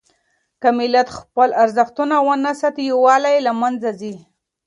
که ملت خپل ارزښتونه ونه ساتي، يووالی له منځه ځي.